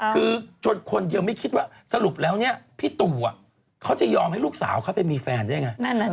คือจนคนเดียวไม่คิดว่าสรุปแล้วเนี่ยพี่ตู่เขาจะยอมให้ลูกสาวเขาไปมีแฟนได้ไง